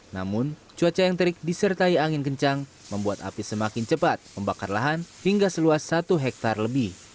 namun cuaca yang terik disertai angin kencang membuat api semakin cepat membakar lahan hingga seluas satu hektare lebih